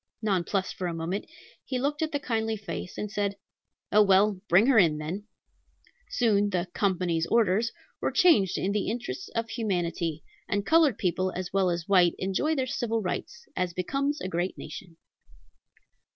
Nonplussed for a moment, he looked at the kindly face, and said, "Oh, well, bring her in then!" Soon the "company's orders" were changed in the interests of humanity, and colored people as well as white enjoyed their civil rights, as becomes a great nation.